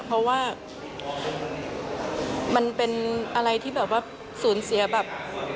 เพราะว่ามันเป็นอะไรที่แบบว่าสูญเสียแบบ